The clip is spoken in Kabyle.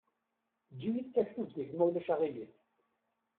Eǧǧ-iyi-d taktubt-ik ma ulac aɣilif.